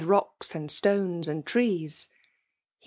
rocks, and stones, and trees. He